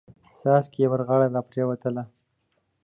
څاڅکي يې پر غاړه را پريوتل.